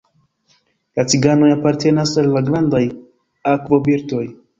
La cignoj apartenas al la grandaj akvobirdoj.